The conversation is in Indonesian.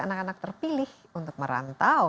anak anak terpilih untuk merantau